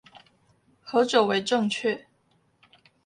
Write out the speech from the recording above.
何者為正確？